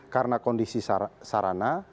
karena kondisi sarana